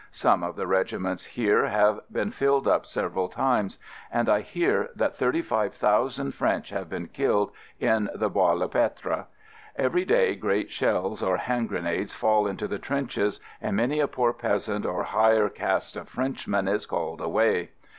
Some of the regiments here have FIELD SERVICE 29 been filled up several times and I hear that thirty five thousand French have been killed in the Bois le Pretre. Every day great shells or hand grenades fall into the trenches and many a poor peasant or higher caste of Frenchman is called away.